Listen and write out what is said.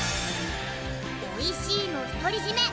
おいしいの独り占め